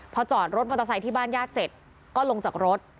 พอจอดรถมอเตอร์ไซค์ที่บ้านญาติเสร็จก็ลงจากรถ